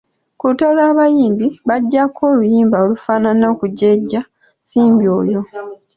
Ku lutalo olwo abayimbi baggyako oluyimba olufaanana okujeeja Nsimbi oyo.